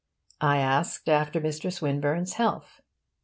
I asked after Mr. Swinburne's health.